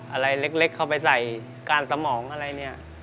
อะไรเล็กเข้าไปใส่ก้านสมองอะไรเนี่ย